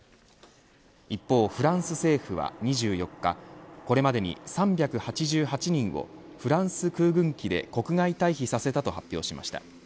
一方、フランス政府は２４日これまでに３８８人をフランス空軍機で国外退避させたと発表しました。